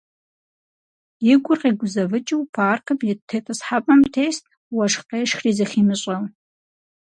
И гур къигузэвыкӀыу паркым ит тетӀысхьэпӀэм тест, уэшх къешхри зыхимыщӀэу.